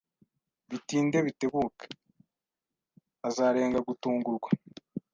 Bitinde bitebuke, azarenga gutungurwa